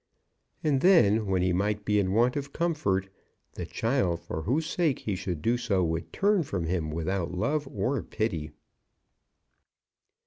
And then, when he might be in want of comfort, the child for whose sake he should do so would turn from him without love or pity.